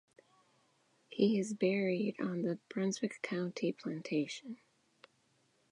He is buried on the Brunswick County plantation.